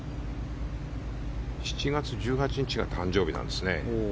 ７月１８日が誕生日なんですね。